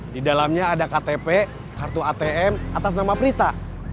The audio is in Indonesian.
di dalamnya ada ktp kartu atm atas nama prita